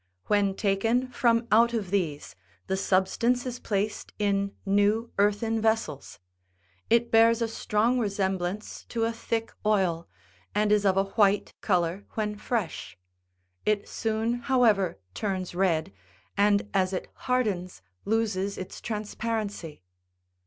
When taken from out of these, the substance is placed in new earthen vessels ; it bears a strong resemblance to a thick oil, and is of a white colour when fresh. It soon, however, turns red, and as it hardens loses its trans parency.